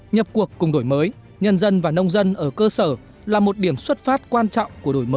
nhập cuộc cùng đổi mới nhân dân và nông dân ở cơ sở là một điểm xuất phát quan trọng của đổi mới